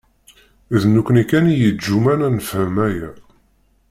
D nekkni kan i yeǧǧuman ad nefhem aya.